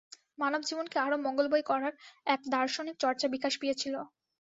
মানবজীবনকে আরও মঙ্গলময় করার এক দার্শনিকচর্চা বিকাশ পেয়েছিল।